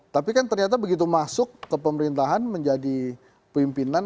tapi kan ternyata begitu masuk ke pemerintahan menjadi pimpinan